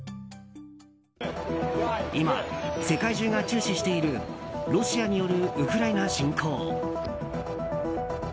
いまや世界中が注目しているロシアによるウクライナ侵攻。